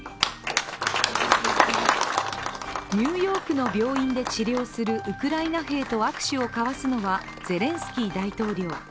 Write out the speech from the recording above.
ニューヨークの病院で治療するウクライナ兵と握手を交わすのはゼレンスキー大統領。